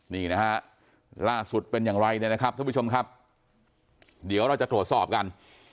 นี่นะฮะล่าสุดเป็นอย่างไรเนี่ยนะครับท่านผู้ชมครับเดี๋ยวเราจะตรวจสอบกัน